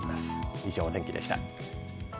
以上、お天気でした。